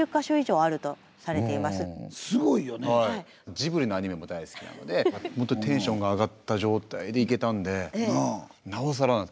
ジブリのアニメも大好きなのでほんとにテンションが上がった状態で行けたんでなおさら。